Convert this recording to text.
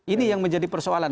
ini yang menjadi persoalan